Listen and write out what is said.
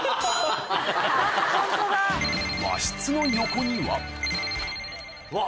和室の横にはうわ。